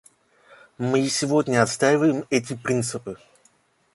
Мы и сегодня отстаиваем эти принципы.